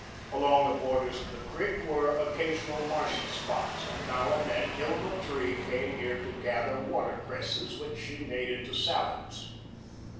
Along the borders of the creek were occasional marshy spots, and now and then Hilma Tree came here to gather water cresses, which she made into salads.